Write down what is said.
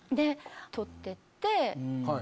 撮ってって。